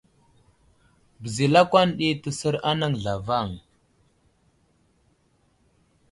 Beza lakwan ɗi təsər anaŋ zlavaŋ.